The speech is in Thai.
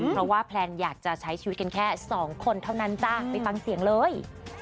เพราะว่าแพลนอยากจะใช้ชีวิตกันแค่สองคนเท่านั้นจ้ะไปฟังเสียงเลย